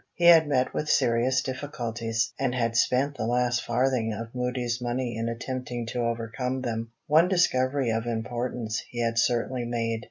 He had met with serious difficulties, and had spent the last farthing of Moody's money in attempting to overcome them. One discovery of importance he had certainly made.